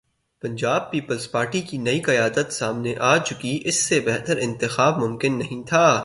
پنجاب پیپلزپارٹی کی نئی قیادت سامنے آ چکی اس سے بہتر انتخاب ممکن نہیں تھا۔